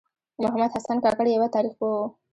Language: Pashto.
محمد حسن کاکړ یوه تاریخ پوه و .